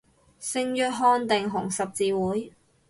聖約翰定紅十字會